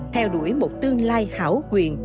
theo đuổi một tương lai hảo quyền